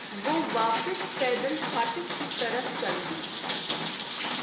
وہ واپس پیدل پھاٹک کی طرف چل دی۔